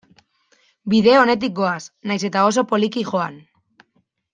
Bide onetik goaz, nahiz eta oso poliki joan.